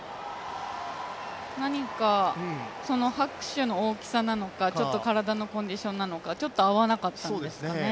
何か、拍手の大きさなのか体のコンディションなのかちょっと合わなかったんですかね。